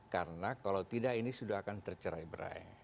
karena kalau tidak ini sudah akan tercerai berai